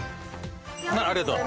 ありがとう。